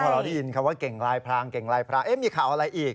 พอเราได้ยินคำว่าเก่งลายพรางเก่งลายพรางมีข่าวอะไรอีก